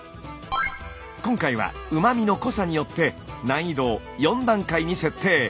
今回はうま味の濃さによって難易度を４段階に設定。